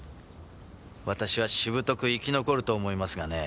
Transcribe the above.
私はしぶとく生き残ると思いますがね。